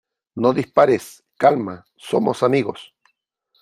¡ No dispares ! Calma . somos amigos .